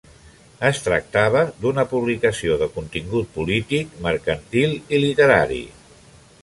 Es tractava d'una publicació de contingut polític, mercantil i literari.